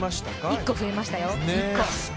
１個増えましたよ。